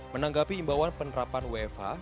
menanggapi imbauan penerapan wfh